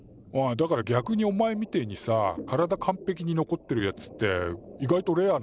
だから逆におまえみてえにさ体完ぺきに残ってるやつって意外とレアなんだぜ。